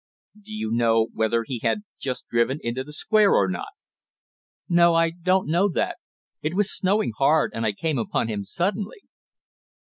"Do you know whether he had just driven into the Square or not?" "No, I, don't know that; it was snowing hard and I came upon him suddenly."